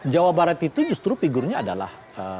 jawa barat itu justru figurnya adalah